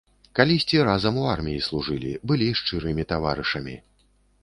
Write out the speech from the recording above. Калісьці разам у арміі служылі, былі шчырымі таварышамі.